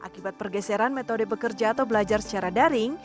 akibat pergeseran metode bekerja atau belajar secara daring